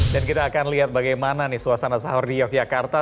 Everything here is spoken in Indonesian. dan kita akan lihat bagaimana nih suasana sahur di yogyakarta